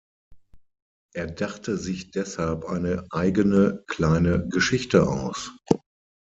Er dachte sich deshalb eine eigene kleine Geschichte aus.